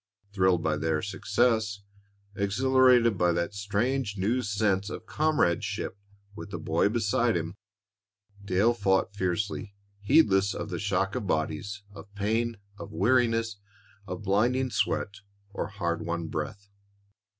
Thrilled by their success, exhilarated by that strange new sense of comradeship with the boy beside him, Dale fought fiercely, heedless of the shock of bodies, of pain, of weariness, of blinding sweat, or hard won breath.